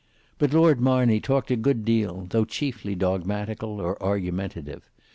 But Lord Marney talked a good deal, though chiefly dogmatical or argumentative.